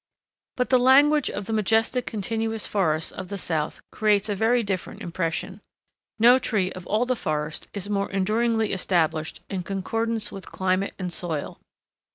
But the language of the majestic continuous forests of the south creates a very different impression. No tree of all the forest is more enduringly established in concordance with climate and soil.